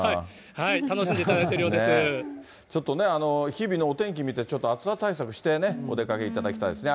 楽しんでいただちょっとね、日々のお天気見て、暑さ対策してね、お出かけいただきたいですね。